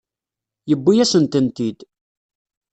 Yewwi-yasen-tent-id.